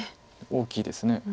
大きいです。